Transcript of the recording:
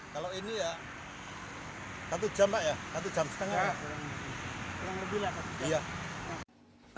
kalau ini ya satu jam ya satu jam setengah